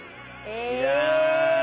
いや。